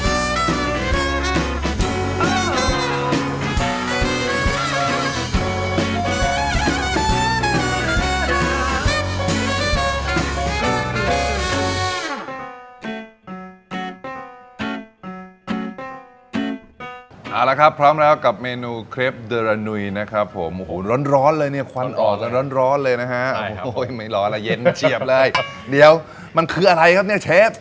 เอาละครับพร้อมแล้วกับเมนูเครปเดอรานุยนะครับผมโอ้โหร้อนเลยเนี่ยควันออกจากร้อนเลยนะฮะโอ้โหไม่ร้อนแล้วเย็นเฉียบเลยเดี๋ยวมันคืออะไรครับเนี่ยเชฟ